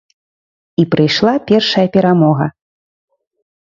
І прыйшла першая перамога.